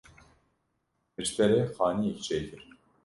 Min ji te re xaniyek çêkir.